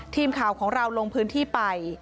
ทีมข่าวของเราลงพื้นที่ไป